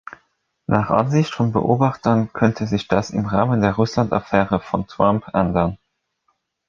Nach Ansicht von Beobachtern könnte sich das im Rahmen der Russland-Affäre von Trump ändern.